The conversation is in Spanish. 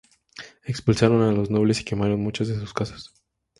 Expulsaron a los nobles y quemaron muchas de sus casas.